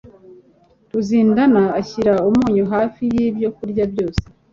Ruzindana ashyira umunyu hafi yibyo kurya byose.